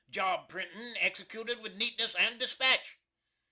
Job printing executed with neatness and dispatch!"